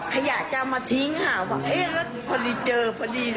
อ๋อขยะจะมาทิ้งค่ะพอดีเจอพอดีด้วย